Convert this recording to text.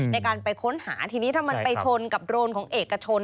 ในการไปค้นหาทีนี้ถ้ามันไปชนกับโรนของเอกชน